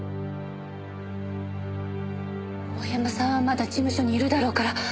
大山さんはまだ事務所にいるだろうから。